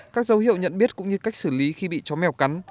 các dấu hiệu nhận biết cũng như cách xử lý khi bị chó mèo cắn